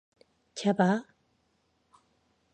잡아.